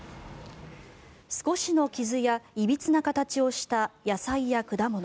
少しの傷やいびつな形をした野菜や果物。